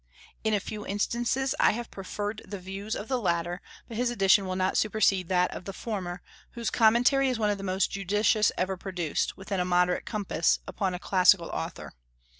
In a few instances I have preferred the views of the latter; but his edition will not supersede that of the former, whose commentary is one of the most judicious ever produced, within a moderate compass, upon a classical author.